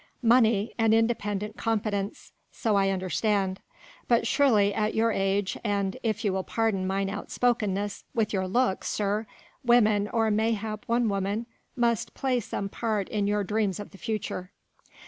"Money an independent competence ... so I understand. But surely at your age, and if you will pardon mine outspokenness with your looks, sir, women or mayhap one woman must play some part in your dreams of the future."